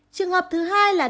trường hợp thứ hai là